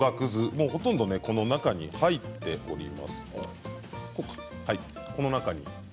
もうほとんど、この中に入っております。